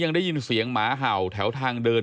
ได้ยินเสียงหมาเห่าแถวทางเดิน